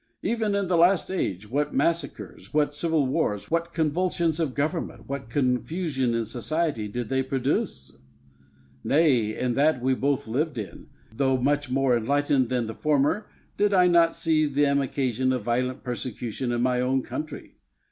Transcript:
Even in the last age what massacres, what civil wars, what convulsions of government, what confusion in society, did they produce! Nay, in that we both lived in, though much more enlightened than the former, did I not see them occasion a violent persecution in my own country?